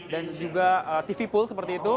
dan juga tv pool seperti itu